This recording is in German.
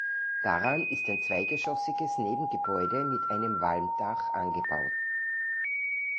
Daran ist ein zweigeschossiges Nebengebäude mit einem Walmdach angebaut.